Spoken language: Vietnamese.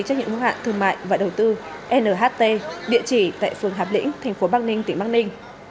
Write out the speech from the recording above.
trách nhiệm quốc hạn thương mại và đầu tư nht địa chỉ tại phường hạp lĩnh tp bắc ninh tỉnh bắc ninh